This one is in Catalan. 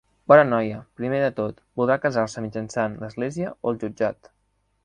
Bona noia, primer de tot, voldrà casar-se mitjançant l'església o el jutjat?